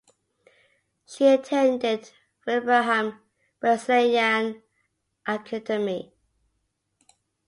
She attended Wilbraham Wesleyan Academy.